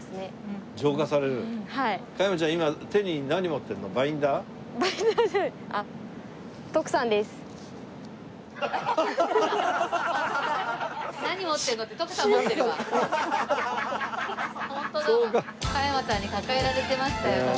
加山ちゃんに抱えられてましたよ徳さん。